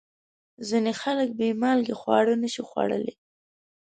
ځینې خلک بې مالګې خواړه نشي خوړلی.